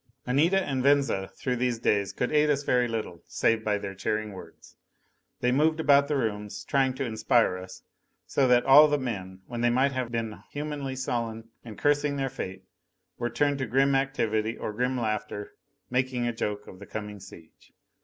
Anita and Venza through these days could aid us very little save by their cheering words. They moved about the rooms, trying to inspire us; so that all the men, when they might have been humanly sullen and cursing their fate, were turned to grim activity, or grim laughter, making a joke of the coming siege.